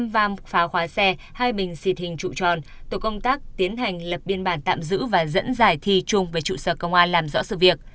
vam phá khóa xe hai bình xịt hình trụ tròn tổ công tác tiến hành lập biên bản tạm giữ và dẫn giải thi trung về trụ sở công an làm rõ sự việc